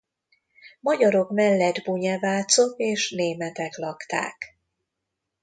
Magyarok mellett bunyevácok és németek lakták.